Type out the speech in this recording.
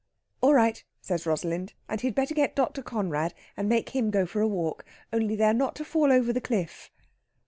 All right, says Rosalind, and he'd better get Dr. Conrad, and make him go for a walk. Only they are not to fall over the cliff.